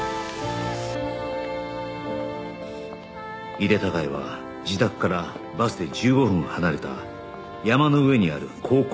井手孝也は自宅からバスで１５分離れた山の上にある高校に通っていた